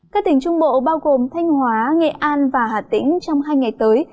các tỉnh trung bộ bao gồm thanh hóa nghệ an và hà tĩnh trong hai ngày tới